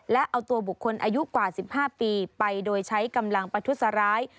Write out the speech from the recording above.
และเอาตัวบุคคลอายุกว่า๑๕ปีไปโดยใช้กำลังประทุษร้าย